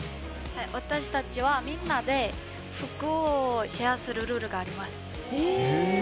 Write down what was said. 私たちはみんなで服をシェアするルールがあります。